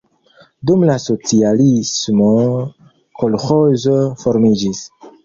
Dum la socialismo kolĥozo formiĝis.